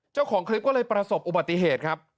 เจ้าของคลิปก็เลยประสบอุบัติเหตุครับ